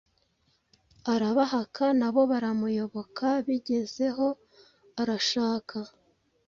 arabahaka, nabo baramuyoboka, bigezeho arashaka,